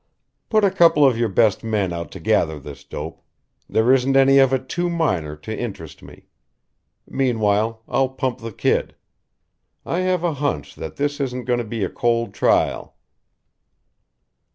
Put a couple of your best men out to gather this dope there isn't any of it too minor to interest me. Meanwhile, I'll pump the kid. I have a hunch that this isn't going to be a cold trail."